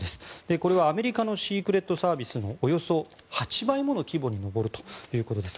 これはアメリカのシークレットサービスのおよそ８倍もの規模に上るということです。